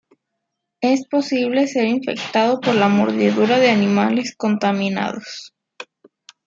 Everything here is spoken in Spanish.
Es posible ser infectado por la mordedura de animales contaminados.